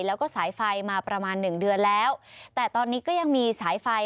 แล้วก็สายไฟมาประมาณหนึ่งเดือนแล้วแต่ตอนนี้ก็ยังมีสายไฟ